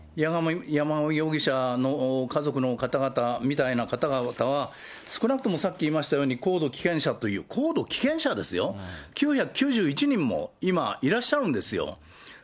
山上容疑者の家族の方々みたいな方々は、少なくともさっき言いましたように、こうどきけん者という、こうどきけん者ですよ、９９１人も今、いらっしゃるんですよ。